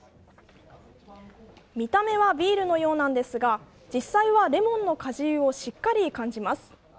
見た目はビールのようなんですが実際はレモンの果汁をしっかり感じます。